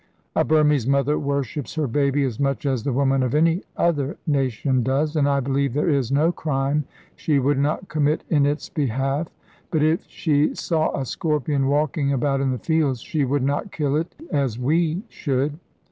A Burmese mother worships her baby as much as the woman of any other nation does, and I believe there is no crime she would not commit in its behalf. But if she saw a scorpion walking about in the fields, she would not kill it as we should.